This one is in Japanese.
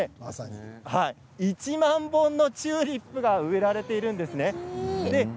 １万本のチューリップが植えられているんですね。